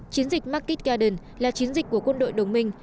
chiến dịch market garden là chiến dịch của quân đội đồng minh